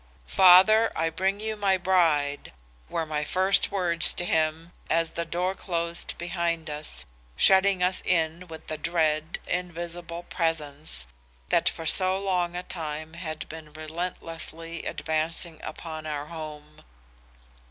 "'Father, I bring you my bride,' were my first words to him as the door closed behind us shutting us in with the dread, invisible Presence that for so long a time had been relentlessly advancing upon our home.